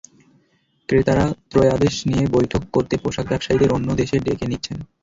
ক্রেতারা ক্রয়াদেশ নিয়ে বৈঠক করতে পোশাক ব্যবসায়ীদের অন্য দেশে ডেকে নিচ্ছেন।